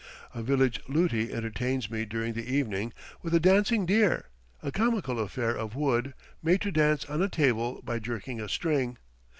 A village luti entertains me during the evening with a dancing deer; a comical affair of wood, made to dance on a table by jerking a string.